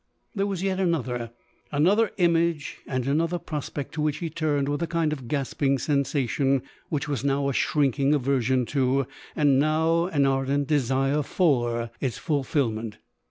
There was vet another — another image and another prospect to which he turned with a kind of gasping sensation, which was now a shrinking aversion to — now an ardent desire for, its ful filment.